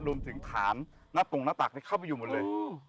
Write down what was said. รวมถึงฐานหน้าตรงหน้าตักเข้าไปอยู่หมดเลย